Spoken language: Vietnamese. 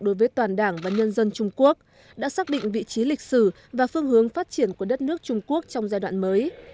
đối với toàn đảng và nhân dân trung quốc đã xác định vị trí lịch sử và phương hướng phát triển của đất nước trung quốc trong giai đoạn mới